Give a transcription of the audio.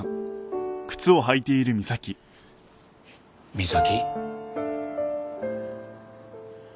美咲。